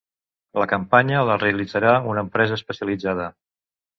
La campanya la realitzarà una empresa especialitzada.